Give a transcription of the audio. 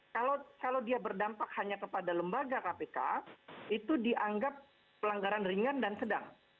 kalau dia berdampak hanya kepada lembaga kpk itu dianggap pelanggaran ringan dan sedang